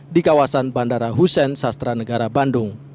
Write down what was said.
di kawasan bandara hussein sastra negara bandung